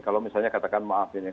kalau misalnya katakan maaf